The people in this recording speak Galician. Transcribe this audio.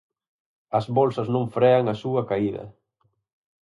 As bolsas non frean a súa caída.